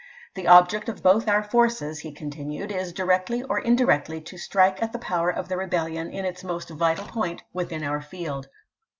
" The object of both our forces," he continued, " is, directly or indirectly, to strike at the power of the rebellion in its most vital point within our field.